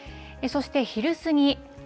そして、昼過ぎ。